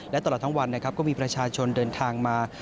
และตลอดทั้งวันนะครับก็มีประชาชนเดินทางมา